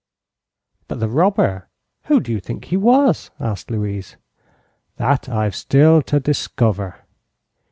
"But the robber who do you think he was?" asked Louise. "That I've still to discover.